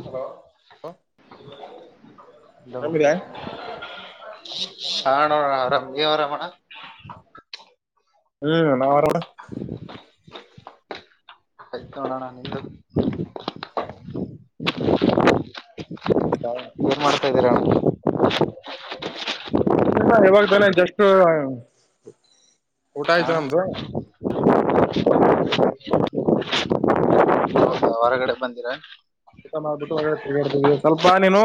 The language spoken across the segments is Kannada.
ಹಲ ನ ಆರಾಮಿದ್ಯಾ ಹಣ ಅವ ರಾಮಗೆ ಅವ ರಮಣ ಹ್ಮ್ ನಾವರಣ ಕತಣ ನೀ [unintelligible] [unintelligible] ಎರ [inaudible] ಏನಿಲ್ಲ ಯಾವಾಗ್ದಾನೆ ಜಸ್ ಹಾ ಹೌದಾ ಹೊರಗಡೆ ಬಂದಿರಾ ಊಟ ಮಾಡ್ಬಿಟ್ಟು ತಿಗಡ್ ಸ್ವಲ್ಪ ನೀನು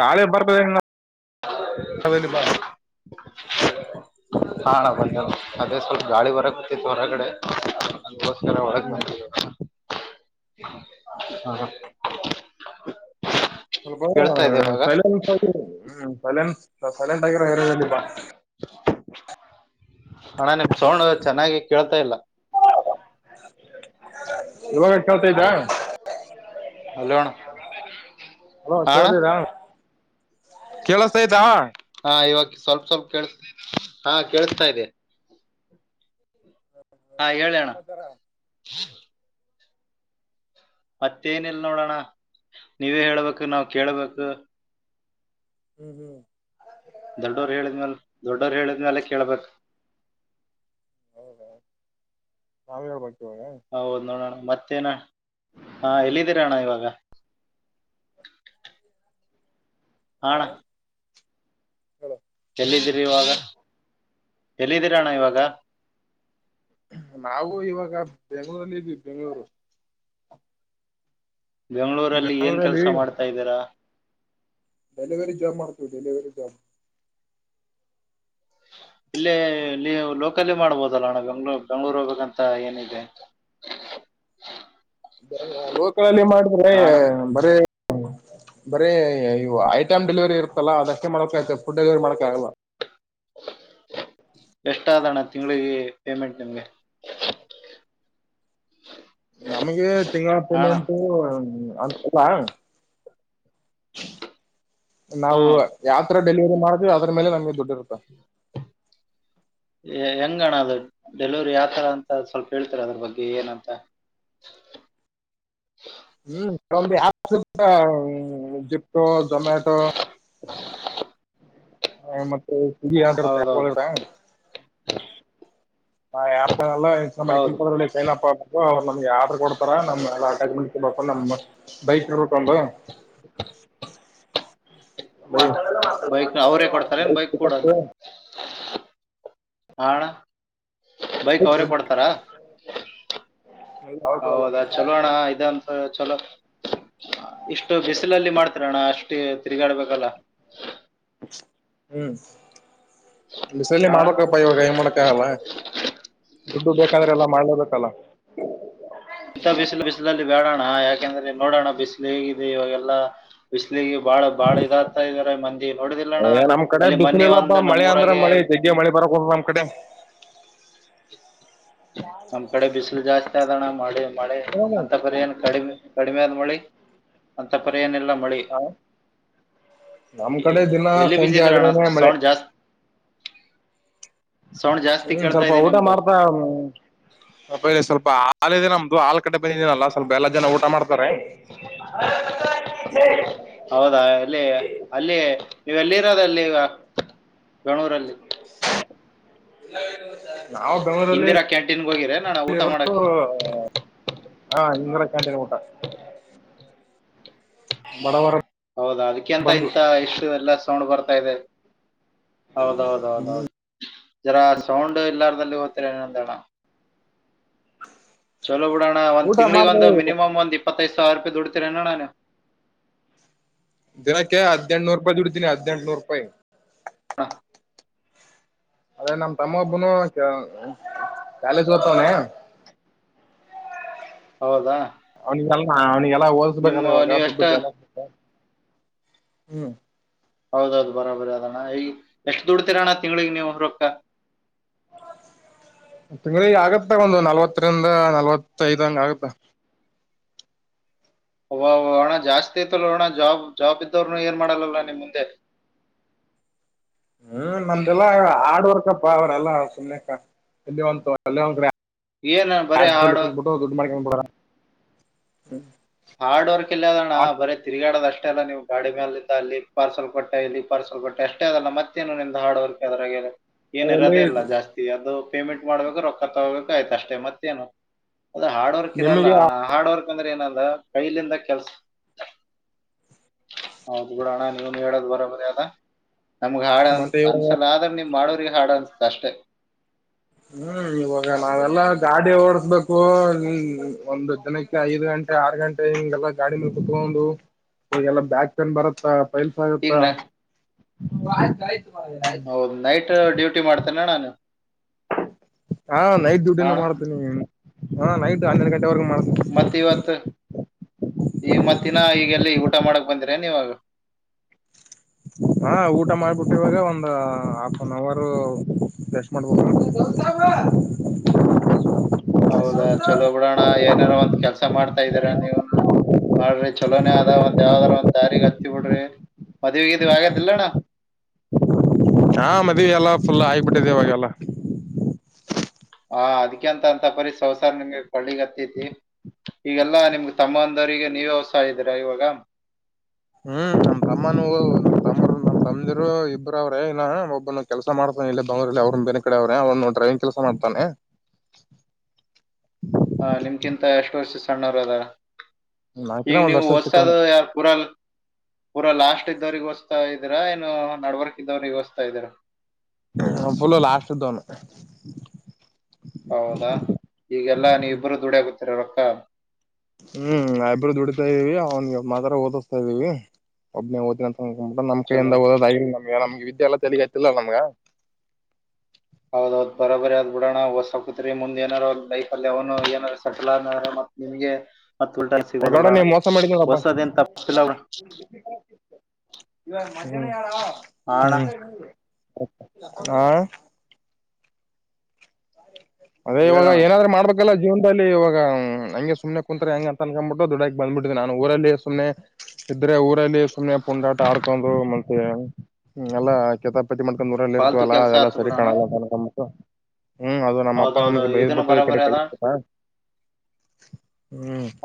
ಗಾಳಿ ಬರ್ತದೆ ಹಂಗ ಅದ ಬ ಹಣ ಬಂದ ಅದೇ ಸ್ವಲ್ಪ ಗಾಳಿ ಬರ ಕತಿತ್ತು ಹೊರಗಡೆ ದಕರ ಒ ಹ್ಮ್ ಮಾಡ ಹ ಸ್ವಲ್ಪ ಸೈಲೆನ್ಸ್ ಆಗ ಹ್ಮ್ ಸಲೆನ್ ಅ ಸೈಲೆಂಟ್ ಆಗಿರು [unintelligible] ಪಾ ಅಣ್ಣಾ ನಿಮ್ ಸೌಂಡ್ ಚೆನ್ನಾಗಿ ಕೇಳ್ತಾ ಇಲ್ಲ. ಇವಾಗ ಕೆಳ್ತಾ ಇದ್ದಾ. ಹಲೋ ಅಣ್ಣ ಹಲೋ ಹಾ ಅಣ್ಣ ಕೇಳತದ ಕೇಳಸ್ತ ಐತ. ಹಾ ಇವಾಗ ಸ್ವಲ್ಪ ಸ್ವಲ್ಪ ಕೇಳ್ ಹಾ ಕೇಳಸ್ತಾ ಇದೆ. ಹ ಹೇಳಿ ಅಣ. ಮತ್ತೇನಿಲ್ಲ ನೋಡೋಣ ನೀವೇ ಹೇಳ್ಬೇಕು ನಾವ್ ಕೇಳ್ಬೇಕ. ಹ್ಮ್ ಹ್ಮ್ ದೊಡ್ಡವರು ಹೇಳಿದ್ಮ್ಯಲ ದೊಡ್ಡೋರು ಹೇಳಿದ್ಮ್ಯಾಲೆ ಕೇಳ್ಬಕ್. ಹೌದಾ ನಾ [unintelligible] ಹೌದ ನೋಡಣ ಮತ್ತೇನ ಹಾ ಎಲ್ಲಿದ್ದೀರಿ ಅಣ್ಣ ಇವಾಗ. ಹ ಹಾ ಅಣ್ಣ ಹೇಳು ಎಲ್ಲಿದ್ದೀರಿ ಇವಾಗ ಎಲ್ಲಿದ್ದೀರ ಅಣ್ಣ ಇವಾಗ. ನಾವು ಇವಾಗ ಬೆಂಗಳೂರಲ್ಲಿ ಇದ್ವಿ ಬೆಂಗಳೂರು ಬೆಂಗಳೂರಲ್ಲಿ ಏನ್ ಕೆಲಸ ಮಾಡ್ತಾ ಇದ್ದೀರಾ ಡೆಲಿವರಿ ಜಾಬ್ ಮಾಡ್ತೀವಿ ಡೆಲಿವರಿ ಜಾಬ್ ಇಲ್ಲೇ ನೀವು ಲೋಕಲ್ಲ ಮಾಡ್ಬೋದಲ್ಲಣ್ಣ ಬೆಂಗ್ಳೂ ಬೆಂಗ್ಳೂರ್ ಹೋಗ್ಬೇಕಂತ ಏನಿದೇ [inaudible] [unintelligible] ಲೋಕಲಲ್ಲಿ ಮಾಡದ್ರೆ ಅಣ್ಣ ಬರೆ ಹ್ಮ ಬರೆ ಇವು ಐಟಮ್ ಡೆಲಿವರಿ ಇರುತ್ತಲ್ಲ ಅದಷ್ಟೇ ಮಾಡ್ಬೇಕ್ ಆಗುತ್ತೆ ಫುಡ್ ಡೆಲಿವರಿ ಮಾಡಕ ಆಗಲ್ಲ. [unintelligible] ಎಷ್ಟ ಅದಣ್ಣ ತಿಂಗಳಿಗಿ ಪೇಮೆಂಟ್ ನಿಮ್ಗೆ. ನಮಗೆ ತಿಂಗಳ ಹಾ ಅಣ್ಣ ಪೇಮೆಂಟು ಅಂತದ ನಾವು ಹ್ಮ್ ಯಾವತರ್ ಡೆಲಿವರಿ ಮಾಡ್ವಿ ಅದ್ರ ಮೇಲೆ ನಮಗೆ ದುಡ್ ಇರುತ್ತ [inaudible] ಹೆ ಹೆಂಗಣ ಅದು ಡೆಲಿವರಿ ಯಾವ್ತರ ಅಂತ ಸ್ವಲ್ಪ ಹೇಳ್ತೀರಾ ಅದ್ರ ಬಗ್ಗೆ ಏನಂತ [inaudible] ಹ್ಮ್ ಕೆಲವೊಂದು ಅಪ್ಸ್ ಇರುತ್ತ ಜಿಪ್ಟೊ ಜೊಮ್ಯಾಟೋ ಹ ಮತ್ತೆ ಸ್ವಿಗ್ಗಿ ಅಂತ ಯಾಪ್ಗೋಳ ಹೌದೌದು ಇರುತ್ತಾ. ಆ ಆ್ಯಪ್ ಗಳೆಲ್ಲ ಹೌದು [unintelligible] ಅಪ್ ಅವ್ರು ನಮಗೆ ಆರ್ಡರ್ ಕೊಡ್ತಾರ ನಮ್ಮ [unintelligible] ಮೊಬೈಲ್ ನಂಬರ್ ಬೈಕ್ ಇರುತ್ತ ಒಂದು. ಬೈಕ್. ಬೈಕ್ ಅವ್ರೆ ಕೊಡ್ತಾರೆನ್ ಬೈಕ್ ಕೂಡ ಹ ಅಣ - ಬೈಕ್ ಅವ್ರೆ ಕೊಡ್ತಾರ ಹೌದಾ ಚಲೋಣ ಇದಂತ ಚಲೋ ಇಷ್ಟು ಬಿಸಿಲಲ್ಲಿ ಮಾಡ್ತೀರಣ್ಣ ಅಸ್ಟಿ ತಿರಗಾಡ್ಬೇಕಲ್ಲ. ಹ್ಮ್ ಬಿಸಲೆ ಹಾ ಅಣ್ಣ ಮಾಡಬೆಕಪ್ಪ ಇವಾಗ ಎನ್ ಮಾಡಕ ಆಗಲ್ಲ. ದುಡ್ಡು ಬೇಕಾದ್ರೆ ಎಲ್ಲಾ ಮಾಡ್ಲೇಬೇಕಲ್ಲ. ಇಂತ ಬಿಸಿಲು ಬಿಸಿಲಲ್ಲಿ ಬ್ಯಾಡಣ್ಣ ಯಾಕೆಂದ್ರೆ ಇಲ್ ನೋಡಣ ಬಿಸಿಲ ಹೇಗಿದೆ ಇವಾಗೆಲ್ಲಾ ಬಿಸ್ ಬಿಸಿಲಿಗಿ ಬಾಳ ಬಾಳ ಇದಾಗ್ತಾ ಇದಾರೆ ಮಂದಿ ನೋಡಿದಿಲ್ಲಣ್ಣ ಏ ನಮ್ ಅಲ್ಲಿ ಮನ್ನಿ ಒಂದು ನಮ್ಮೂಊರಾಗೆ. ಮಳಿ ಬರ ಕುಂತದ ನಮ್ ಕಡೆ. ನಮ್ಮ್ ಕಡೆ ಬಿಸಿಲು ಜಾಸ್ತಿ ಆದಣ ಮಳೆ ಮಳೆ ಅಂತ ಪರಿ ಏನ್ ಕಡಿಮೆ ಕಡಿಮೆ ಆದ ಮಳಿ ಅಂತ ಪರಿ ಏನಿಲ್ಲ ಮ ಮಳಿ ಹ, ನಮ್ ಏ ಕಡೆ ದಿನ ಎಲ್ಲಿ ಬಿಜಿ ಸಂಜೆ ಇದಿರಣ್ಣ ಆದ್ರೇನೆ ಮಳೆ ಸೌಂಡ್ ಜಾಸ್ತ ಜಾಸ್ತಿ ಹ್ಮ ಕೇಳ್ತಾ ಸ್ವಲ್ಪ ಇದೆ ಊಟ ನಿಮ್ದು ಮಾಡ್ತಾ ಹ್ಮ್ [unintelligible] ಸ್ವಲ್ಪ ಆ ಹಾಲಿದೆ ನಮ್ದು ಆಲ್ ಕಡೆ ಬಂದಿದಿನಲ್ಲ ಸ್ವಲ್ಪ್ ಸ್ವಲ್ಪ ಎಲ್ಲ ಜನ ಊಟ ಮಾಡ್ತಾರೆ [unintelligible] ಅಲ್ಲೇ ಅಲ್ಲೇ [unintelligible] [unintelligible] ನೀವೆಲ್ಲಿರೋದ ಅಲ್ಲಿ ಈವಗ ಬೆಂಗಳೂರಲ್ಲಿ ಎಲ್ಲ [unintelligible] [unintelligible] ನಾವು ಬೆಂಗಳೂರಲ್ಲಿ ಇಂದಿರಾ ಕ್ಯಾಂಟೀನ್ಗೆ ಹೋಗಿರೇನ ಊಟ ಇರೋದು ಮಾಡಕ್ಕೆ ಹ ಇಂಗ್ ತಂದಿಲ್ಲ ಊಟ ಬಡವರ ಹೌದಾ ಅದಕಂತ ಬಂದು ಇಂತ ಈ ಷ್ಟು ಎಲ್ಲ ಸೌಂಡ್ ಬರ್ತಾ ಇದೆ [unintelligible] ಹೌದೌದ ಹೌದ ಜರಾ ಸೌಂಡ್ ಎಲ್ಲಾರಲ್ಲಿ ಓದ್ರ ಏನಂದಣ ಚಲೋ ಬಿಡೋಣ್ಣಂದ್ ಊಟ ತಿಂಗ್ಳಗ ಮಾಡ್ದೆ ಒಂದು ಮಿನಿಮಮ್ ಒಂದ ಇಪ್ಪತ್ತ ಇಪ್ಪತ್ತದು ಈ ಸಾವಿರ ರೂಪೆಯಿ ದುಡಿತೀರೆನ್ ಅಣ ನೀ ದಿನಕ್ಕೆ ಹದಿನೆಂಟ್ನೂರು ರೂಪಾಯಿ ದುಡತಿನಿ ಹದ್ನಂಟುನೂರು ರೂಪಾಯಿ ಹಾ ಅದೇ ನಮ್ ತಮ್ಮ ಒಬ್ಬನು ಕಾಲೇಜ ಓತವನೆ ಹೌದಾ ಅವ್ನಿಗೆಲ್ಲ ಅವ್ನಿಗೆಲ್ಲ ನಿಮ್ಮ ಓದಸ್ಬೇಕಲ್ಲ ಇವಾಗ ನೀವ್ ದುಡ್ಡ ಎಷ್ಟ ಜನ ಹ್ಮ್ ಹೌದೌದು ಬರಾ ಬರ ಅದಣ್ಣ ಈಗ ಎಷ್ಟು ದುಡ್ತಿರಣ್ಣ ತಿಂಗಳಿಗೆ ನೀವು ರೊಕ್ಕ ತಿಂಗಳಿಗು ಆಗತ್ತ ಒಂದು ನಲ್ವತ್ತರಿಂದ ನಲ್ವತ್ತಐದ್ ಹಂಗ ಆಗತ್ತ ಅಬಾಬಾ ಹಣ ಜಾಸ್ತಿ ಐತಲ್ಲ ಹಣ ಜಾಬ್ ಜಾಬ್ ಇದ್ದವರುನು ಏನ್ ಮಾಡಲ್ಲಲ್ಲ ನಿಮ ಮುಂದೆ [unintelligible] ಹ್ಮ್ ನಮ್ದಲ್ಲ ಹಾರ್ಡ್ ವರ್ಕ್ ಅವರೆಲ್ಲ ಸುಮ್ನೆಕ್ಕ ಎಲ್ಲಿ ಒಂತ ಏನ್ ಬರೀ ಲ್ಲಿ ಹಾಡು ಕುಬಿಟ್ಟು ದುಡ್ಡು ಮಾಡಕಬಿಡದು ಹಾರ್ಡ್ ವರ್ಕ್ ಎಲ್ಲ ಅದಣ್ಣ ಬರೇ ತಿರುಗಾಡದಷ್ಟೇ ಅಷ್ಟೆ ಅಲ್ಲ ನೀವು ಗಾಡಿ ಮೇಲೆ ಅಲ್ಲಿ ಪಾರ್ಸಲ್ ಕೊಟ್ಟೆ ಇಲ್ಲಿ ಪಾರ್ಸಲ್ ಕೊಟ್ಟ ಅಷ್ಟೇ ಅದಲ್ಲ ಮತ್ತೇನು ನಿಮ್ ಹಾರ್ಡ್ ವರ್ಕ್ ಅದ್ರ ಅಲ್ಲಿ ಏನಿರೋದೆೇ ಇಲ್ಲ ಜಾಸ್ತಿ ಅದು ಪೇಮೆಂಟ್ ಮಾಡ್ಬೇಕು ರೊಕ್ಕ ತಗೋಬೇಕು ಆಯ್ತಷ್ಟೇ ಮತ್ತೇನು ಅದ ಹಾರ್ಡ್ ವರ್ಕ್ ಇರಲ್ಲ ನಿಮಗೆ ಹಾರ್ಡ್ ವರ್ಕ್ ಅಂದ್ರೆ ಏನಲ್ಲ ಕೈಲಿಂದ ಕೆಲ್ಸ ಹೌದ ಬಿಡು ಅಣ ನೀನು ಹೇಳದ ಬರಬರಿ ಅದ ನಮ್ಗ್ ಹಾಡನ್ ಮತ್ತೆ ಇವಾಗ ಅನ್ಸಲಾದ್ರ ನೀಮ್ ಮಾಡೋರಿಗೆ ಹಾಡು ಅನ್ಸತ ಅಷ್ಟೆ ಹ್ಮ್ ಇವಾಗ ನಾವೆಲ್ಲಾ ಗಾಡಿ ಓಡಸ್ಬೇಕು ಒಂದು ದಿನಕ್ಕೆ ಐದು ಗಂಟೆ ಆರ್ ಗಂಟೆ ಹಿಂಗೆಲ್ಲಾ ಗಾಡಿ ಮೇಲೆ ಕುತ್ಕೊಂಡು ಈಲ್ಲಾ ಬ್ಯಾಕ್ ಪೇನ್ ಬರತ್ತ ಪೈಲ್ಸ ಈಗ ಆಗುತ್ತಾ ನಾ ಹೌದ ನೈಟ್ ಡ್ಯೂಟಿ ಮಾಡ್ತೇನೆ ನಾನು ಹಾ ನೈಟ್ ಡ್ಯೂಟಿನ ಅಣ್ಣ ಮಾಡ್ತೇನಿ ಹ ನೈಟ್ ಹನ್ನೆರಡು ಗಂಟೆವರೆಗ ಮಾಡ ಮತಿವತ್ತು ಈಗ ಮತ್ತಿನ ಈಗ ಎಲ್ಲಿ ಊಟ ಮಾಡಕ್ ಬಂದಿರಾ ನೀವಾಗ ಹಾ ಊಟ ಮಾಡಬಿಟ್ಟ ಇವಾಗ ಒಂದ್ ಹಾಫ್ ಅನ್ ಅವರ್ ರೆಸ್ಟ್ ಮಾಡ್ಬ ಹಗ [unintelligible] [unintelligible] [unintelligible] ಹೌದಾ ಚಲೋ ಬಿಡೋಣ ಏನಾರೋ ಒಂದ ಕೆಲ್ಸ ಮಾಡ್ತಾ ಇದ್ದೀರಾ ನೀವ ಮಾಡ್ರಿ ಚಲೋನೇ ಅದ ಒಂದ್ ಯಾವದಾರ ಒಂದ್ ದಾರಿಗೆ ಹತ್ತಿ ಬಿಡ್ರಿ ಮದುವಿ ಗಿಡವಿ ಆಗದಿಲ್ಲಣ [unintelligible] [unintelligible] ಹಾ ಮದವೇ ಎಲ್ಲ ಫುಲ್ ಆಗಿಬಿಟ್ಟಿದೆೆವಾಗೆಲ್ಲ ಹಾ ಅದ್ಕಂತ ಅಂತ ಪರಿ ಸಂಸಾರ ನಿಮ್ಗೆ ಕಳ್ಳಿಗೂ ಹತೈತಿ ಈಗೆಲ್ಲಾ ನಿಮ್ಗ ತಮ್ಮ ಅಂದವ್ರಿಗೆ ನೀವೇ ಹೊಸ ಇದ್ದೀರಾ ಇವಾಗ ಹ್ಮ್ ನಮ್ಮ್ ತಮ್ಮನ ತಂದಿರು ಇಬ್ಬರ ಅವ್ರ ಇ ಒಬ್ಬನ್ನು ಕೆಲಸ ಮಾಡತಾನ ಇಲ್ಲಿ ಬೆನಗಳೂರಲ್ಲಿ ಅವ್ರ ಬೇರೇ ಕಡೆ ಅವ್ರೆ ಅವ್ರನ್ನು ಡ್ರೈವಿಂಗ್ ಕೆಲಸ ಮಾಡ ನಡ್ತಾನೆ [unintelligible] ಹ ನಿಮ್ಗಿಂತ ಎಷ್ಟು ವರ್ಷ ಸಣ್ಣವರು ಅದಾರ ಈಗ ನಾಕಿನ ಒಂದ್ ನೀವು ವರ್ಷ ಸಿಕ್ಕವನೆ ಹೊಸದು ಯಾರ ಪೂರ ಪೂರಾ ಲಾಸ್ಟ್ ಇದ್ದವ್ರಿಗೆ ಇದೀರಾ ಏನು ನಡ್ವರ್ಕ ಇದವ್ರ ಒಡಸ್ತಾ ಇದ್ದೀರಾ ಹ ಪುಲ ಲಾಸ್ನು ಹೌದಾ ಈಗೆಲ್ಲಾ ನೀವಿ ಇಬ್ಬರುೂ ದುಡಿಯಗುತ್ತೀರ ರೊಕ್ಕ ಹ್ಮ್ ಇಬ್ಬರು ದುಡಿತಾ ಇದೀವಿ ಅವ್ನ್ಗೆ ಮಾತ್ರ ಓದಿಸ್ತಾ ಇದೀವಿ ಒಬ್ಬನೇ ಓ ಹ್ ನಮ್ ಎಂದ ಚಲೋ ಓದೋದ ನಮ್ಗೆ ನಮ್ಗೆ ವಿದ್ಯೆ ಎಲ್ಲ ತೆಗತಿಲ್ಲ ನಮ್ಗ ಹೌದೌದ ಬರಬರಿ ಅದ್ ಬಿಡೋಣ ಹೊಸ ಹಕತ್ರಿ ಮುಂದ ಏನಾರ ಲೈಫ ಅಲ್ಲಿ ಅವನು ಏನಾರ ಸೆಟಲ್ ನಿಮಗೆ ಮತ್ ಉಲ್ಟನ್ ಸಿಗೋದ ಗೌಡ ಬಿಡೋಣ ನೀ ಮೋಸ ಹೊಸದನ್ ತಪ್ಪಿಲ್ಲಡ ಮಾಡಿದ್ನೋಡಪ್ಪ ಇವಾಗ ಮಜನ ಯಾರ ಆ ಅಣ್ಣ ಹಾ ಅದೇ ಇವಾಗ ಹೇಳೋಣ ಏನಾದ್ರರು ಮಾಡ್ಬೇಕು ಇದಕ್ಕೆಲ್ಲ ಜೀವನದಲ್ಲಿ ಇವಾಗ ಹಾಗೆ ಸುಮ್ನೆ ಕುಂತಾರೆ ಹ ಹೆಂ ಅನ್ಕ್ಬಿಟ್ಟು ದುಡಾಗಿ ಬಂದ್ಬಿಟ್ಟಿದೆನ ನಾನು ಊರಲ್ಲಿ ಸುನೆ ಇದ್ರೆ ಊರಲ್ಲಿ ಸುಮ್ಮನೆ ಪುಂಡಾಟ ಆಡ್ಕೊಂಡು ಮತ್ತೆ ಎಲ್ಲಾ ಕೆತಪ್ [unintelligible] ಮ್ಕೊಂಡ್ ದೂರಲ್ಲಿ ಫಾಲ್ತು ಇರ್ತವಲ್ಲ ಕೆಲ್ಸ ಅದೆಲ್ಲ ಆತು ಸರಿ ಬಿಡೋಣ ಕಾಣಲ್ಲಕ ಹ್ಮ್ ಅದು ನಮ್ಮ ಅ ಹೌದೌದು ನಮ್ಗೆ ಬೇ ಇದನ್ನು ಬಿಟ್ಟು ಈ ಕಡೆ ಬರೋಬರಿ ಅದ ಕಲತಾ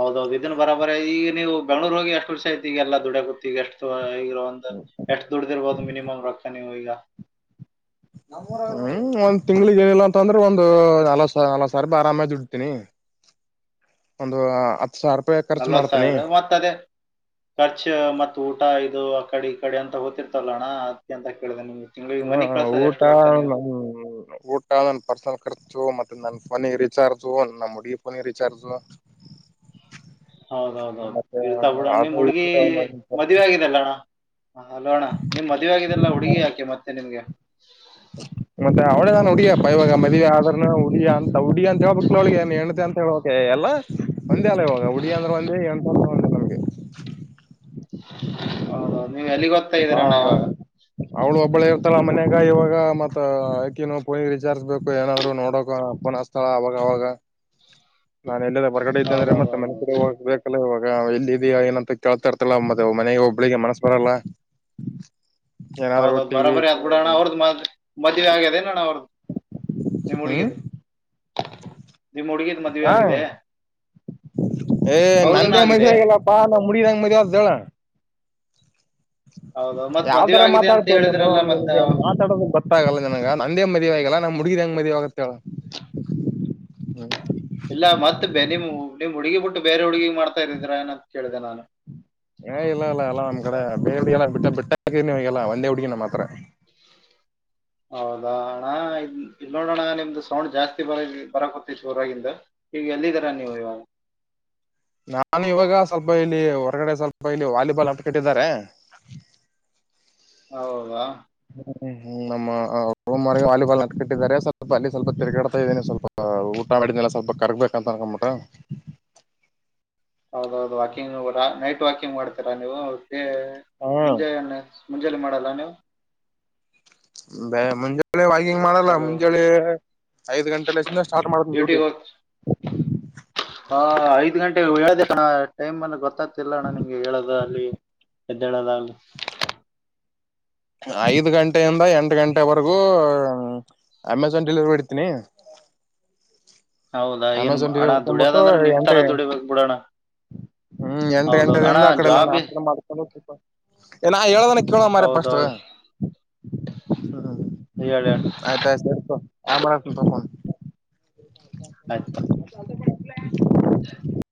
ಹೌದೌದು ಇದನ್ ಬರಬರ ಈಗ ನೀವು ಬೆಂಗಳೂರಿಗೆ ಹೋಗಿ ಎಷ್ಟು ವರ್ಷ ಆಯತಿ ಈಗಲ್ಲ ದುಡ ಗೊತ್ತ ಈಗ ಎಷ್ಟು ಈಗ ಅ ಎು ದೊಡ್ಡ ದರ ಬಾ ಮಿನಿಮಮ ರಾ ನಿ ನೀ ಹಯ ಹ್ಮ ಒಂದ್ ತಿಂಗ್ಳಿಗೆ ಏನಿಲ್ಲ ಅಂತ ಅಂದ್ರೆ ಒಂದು ಹಲಸ ಹಲ ಸರ್ ಬ ಆರಾಮ ದುಡ್ತನಿ ಒಂದು ಸಾವಿರ ರೂಪಾಯಿ ಖರ್ಚು ನಲ್ವತ್ ಮಾಡ್ತೀನಿ ಸಾವಿರ ಮತ್ತತ್ ಅದೇ ಖರ್ಚು ಮತ್ತ್ ಊಟ ಇದು ಕಡೆ ಈ ಕಡೆ ಅಂತ ಹಓದತಿರ್ತಲ್ಲಣ್ಣ ಅ ಅಂತ ಕೇಳಿದೆ ನಿಮ್ಗೆ ತಿಂಗಳಿಗೆ ಹ್ಮ ಮನಿ ಕಳ್ಸೋದ್ ಊಟ ಎಷ್ಟು ರೊಕ್ಕ ನೀವು ಊಟ ನನ್ನ ಪರ್ಸನಲ್ ಖರ್ಚು ಮತ್ತ ನನ್ನ ಫೋನಿಗೆ ರೀಚಾರ್ಜ್ ನಮ್ಮ ಮುಡಗ ಫೋನಿಗೆ ರೀಚಾರ್ಜು ಹೌದೌದೌದು ಮತ್ತೆ ಇರ್ತಾವ ಬಿಡ ನಿಮ್ ಹುಡುಗಿ ಹ ಹಲೋಣ ನಿಮ್ ಮದುವೆ ಆಗಿದೆಲ್ಲಾ ಹುಡುಗಿ ಯಾಕೆ ಮತ್ತೆ ನಿಮ್ಗೆ ಮತ್ತೆ ಅವ್ಳಗಾನು ಉಡಿಯಪ್ಪ ಇವಾಗ ಮದ್ ಆದ್ರನು ಉಡಿಯ ಅಂತ ಉಡಿ ಅಂದ ಜವಾಬಕ್ಳೊಳಗೆ ಹೆಣತೆ ಅಂತ ಹೇಳಕೆ ಎಲ್ಲ ಒಂದೇ ಅಲ್ಲ ಇಗಾಗ ಉಡಿ ಅಂದ್ರೆ ಒಂದೇ ಎ ಹೌದೌದು ನೀವ್ ಎಲ್ಲಿಗೊದ್ತಾ ಇದ್ದೀರ ಅಣ್ಣ ಇವಾಗ ಬಳೆ ಇರ್ತಲ್ಲ ಮನ್ಯಾಗ ಇವಾಗ ಮತ್ತ ಆಾಕ ಫೋನಿಗೆ ರೀಚಾರ್ಜ್ ಬೇಕು ಏನಾದ್ರ ನೋಡಕ ಅಪ್ಪನ ಸ್ಥಳ ಅವಾಗ ಅವಾಗ ನಾನ ಎಲ್ಲ ಹೊರಗಡೆ ಇದ್ದಂದ್ರೆ ಮತ್ತ ಮ ಹೌದೌದೌದು ಹೋಗ ಬೇಕಲ್ಲ ಇಗಾಗ ಎಲ್ಲ ಇದ ಏನಂತ ಕೇಳ್ತಾ ಇರ್ತಲ್ಲಮ್ಮದ ಮನೆಗೆ ಒಬ್ಳಿಗೆ ಮನಸ್ ಬರಲ್ಲ ಏನಾದ್ರು ಹೌದೌದು ಟಿವಿ ಬರಾಬರಿ ಅತ್ ಬಿಡೋಣ್ಣ ಅವ್ರದ ಮ್ ಮದುವೆ ಆಗ್ಯದೇನಣ್ಣ ಅವ್ರ್ದು ನೀ ಹ್ಮ್ ಮುಡಿಯದು ನಿಮ್ಮ್ ಹುಡುಗಿದ ಮದುವೆ ಹಾ ಆಗಿದೆ ಏ ಅವ್ರದೂನು ನಂದೇ ಆಗಿದೆ ಮದುವೆಯಾಗಿಲ್ಲಪ್ಪ ನಮ್ಮುಡುಗಿ ಇದು ಮದುವೆ ಹೆಂಗಾಯ್ತು ಹೇಳು ಹೌದದು ಯಾವ್ ತರ ಮಾತಾಡ್ತೇವ ನಾನು ಮಾತಾಡೋದಕ್ ಗತ್ತಾಗಲ್ಲ ನನಗ ನಂದೇ ಮದುವ ಆಗಲ್ಲ ನ ಹುಡುಗಿದ ಹಂಗ ಮದುವ ಆಗತ್ತಳ ಹ್ಮ್ ಇಲ್ಲ ಮತ್ತ ನಿಮ್ ನಿಮ್ ಹುಡುಗಿ ಬಿಟ್ಟು ಬೇರೆ ಹುಡುಗಿಗ್ ಮಾಡ್ತಾ ಇದಿದೀರಾ ಏಂತ ಕೇಳಿದೆ ನಾನು ಏ ಇಲ್ಲ ಇಲ್ಲ ಅಲ್ಲಾ ನಮ್ ಕಡೆ ಬೇರ್ಡಿ ಎಲ್ಲ ಬಿಟ್ಟ ಬಿಟ್ಟ ಹಾಕಿರ್ ನೀ ಹಲ್ಲ ಒಂದೇ ಹುಡ್ಗಿ ನಮ್ಮ್ ಮಾತ್ರ ಹೌದಾ ಅಣ ಇಲ್ಲಿ ನೋಡೋಣ ನಿಮ್ದು ಸೌಂಡ್ ಜಾಸ್ತಿ ಬರ ಬರಕೊತ್ತೈತ್ತು ಹೊರಾಗಿಂದ ಹ ಎಲ್ಲಿ ತರ ನೀವ ನಾನು ಇವಾಗ ಸ್ವಲ್ಪ ಇಲ್ಲಿ ಹೊರಗಡೆ ಸ್ವಲ್ಪ ಇಲ್ಲಿ ವಾಲಿಬಾಲ್ ಅಟ್ಕಟ್ಟಿದ್ದಾರೆ [inaudible] ಹೌದ ಹ್ಮ್ ಹ್ಮ್ ನಮ್ಮ ರೂಮ್ ವಾಲಿಬಾಲ್ ಅಕಟ್ಟಿದ್ದಾರೆ ಸ್ವಲ್ಪ ಅಲ್ಲಿ ಸ್ವಲ್ಪ ತಿರ್ಗಾಡ್ತಾ ಇದ್ದೀನಿ ಸ್ವಲ್ಪ ಊಟ ಮಾಡಡಿದ್ನೆಲ್ಲ ಸ್ವಲ್ಪ ಕರ್ಗ್ಬೇಕಂತ ಅನ್ಕೊಬಿಟ [inaudible] ಹೌದೌದು ವಾಕಿಂಗ್ ನೈಟ್ ವಾಕಿಂಗ್ ಮಾಡ್ತೀರಾ ನೀವು ಅವಿಗೆ ಹ್ಮ ಮುಂಜೆ ಮುಂಜಾಲೆ ಮಾಡಲ್ಲ ನೀವು ಬೆ ವಿಂಗ್ ಮಾಡಲ್ಲ ಚಲೋ ಮುಂಜಳೆ ಐದ್ ಗಂಟೆ ಲ ಸ್ಟಾರ್ಟ್ ಮಾಡುದು ಡ್ಯೂಟಿಗೆ ಡ್ಯೂಟಿ [inaudible] ಹ ಐದ್ ಗಂಟೆ ಹೇಳ್ದ ಅಣ್ಣ ಟೈಮ್ಲ್ಲಿ ಗೊತ್ತಾಗ್ತಿಲ್ಲ ಅಣ್ಣ ನಿಮ್ಗೆ ಹೇಳೋದ ಅಲ್ಲಿ ಎ್ದಣದ ಐದ್ ಗಂಟೆಯಿಂದ ಎಂಟು ಗಂಟೆವರೆಗೂ ಹ ಅಮೆಝಾನ್ ಡೆಲಿವರಿ ಮಾಡತೀನಿ ಹೌದಾ ಏನ್ ಹಣ ದುಡ್ಯದಂದ್ರೆ ನಿಮ್ ತರ ಎಂಟು ದುಡಿಬೇಕಕ್ ಬಿಡೋಣ ಹ್ಮ್ ಎಂಟು ಹೌದೌದು ಅಣ್ಣ ಗಂಟೆದಿಂದ ಅಕಡೆಲ್ಲ ಜಾಬ್ ನಾಶನ ಮಾಡ್ಕೊಂಡ ಸ್ವಲ್ಪ ಏ ನಾ ಹೇಳದನ ಕೇಳ ಮಾರ ಪಸ್ಟ್ ಹೌದೌದು ಹ್ಮ್ ಹೇಳಿ ಆಯ್ತ ಆಯ್ತು ಸೇರ್ತ ಆ ಮಾಡ ತಕನ್ [inaudible] ಆಯ್ತಾ ಹ [inaudible]